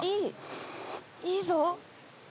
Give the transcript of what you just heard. いいぞ！